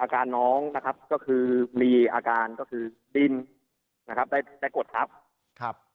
อาการน้องนะครับก็คือมีอาการก็คือดิ้นนะครับได้ได้กดทับครับ